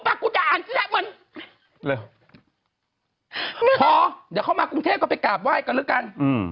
พอเดี๋ยวเข้ามากรุงเทพก็ไปกราบไหว้กันแล้วกัน